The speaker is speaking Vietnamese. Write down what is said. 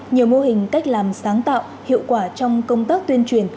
nhiều mô hình cách làm sáng tạo hiệu quả trong công tác tuyên truyền